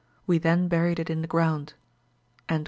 We then buried it in the ground."